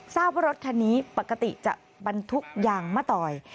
ทราบว่ารถคันนี้ปกติจะบรรทุกยางมะตอย